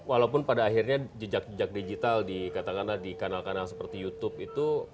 walaupun pada akhirnya jejak jejak digital dikatakanlah di kanal kanal seperti youtube itu